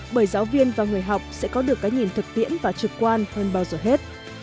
bởi giáo viên và người học sẽ có được cái nhìn thực tiễn và trực quan hơn bao giờ hết